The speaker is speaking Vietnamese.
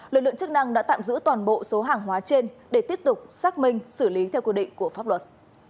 lực lượng chức năng đã tạm giữ toàn bộ số hàng hóa trên để tiếp tục xác minh xử lý theo quy định của pháp luật